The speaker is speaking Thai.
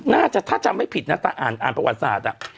น่าจะถ้าจำไม่ผิดนะแต่อ่านประวัติศาสตร์